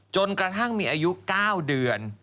จนกระทั่งมีอายุ๙เดือน